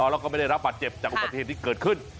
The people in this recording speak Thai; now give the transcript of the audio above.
แล้วก็ไม่ได้รับบาดเจ็บจากอุบัติเหตุที่เกิดขึ้น